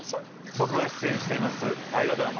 僕が出演しています大河ドラマ